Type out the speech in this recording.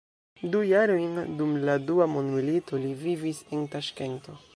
Du jarojn dum la Dua mondmilito li vivis en Taŝkento.